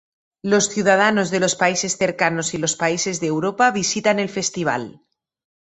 Los ciudadanos de los países cercanos y los países de Europa visitan el festival.